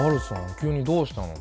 急にどうしたの？